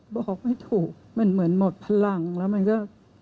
บอกไม่ถูกมันเหมือนหมดพลังแล้วมันก็